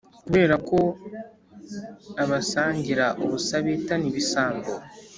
kubera ko abasangira ubusa bitana ibisambo.